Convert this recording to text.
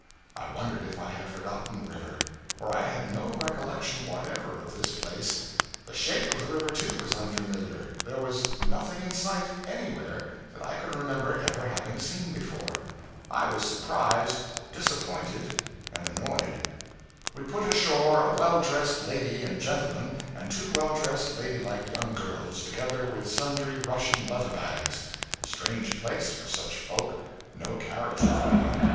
I wondered if I had forgotten the river; for I had no recollection whatever of this place; the shape of the river, too, was unfamiliar; there was nothing in sight, anywhere, that I could remember ever having seen before. I was surprised, disappointed, and annoyed. We put ashore a well dressed lady and gentleman, and two well dressed, lady like young girls, together with sundry Russia leather bags. A strange place for such folk! No carriage was waiting.